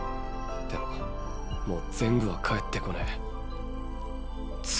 でももう全部は返ってこねぇ。